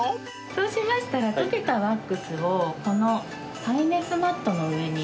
そうしましたら溶けたワックスをこの耐熱マットの上に。